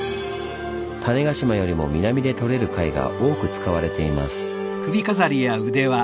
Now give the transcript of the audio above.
種子島よりも南でとれる貝が多く使われています。